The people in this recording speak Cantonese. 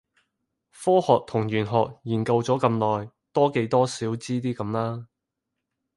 科學同玄學研究咗咁耐，多幾多少知啲咁啦